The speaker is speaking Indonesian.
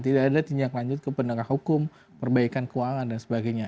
tidak ada tindak lanjut ke penegak hukum perbaikan keuangan dan sebagainya